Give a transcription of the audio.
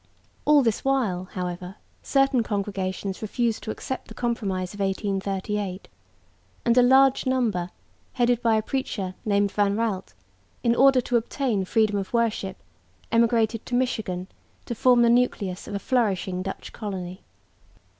All this while, however, certain congregations refused to accept the compromise of 1838; and a large number, headed by a preacher named Van Raalte, in order to obtain freedom of worship, emigrated to Michigan to form the nucleus of a flourishing Dutch colony.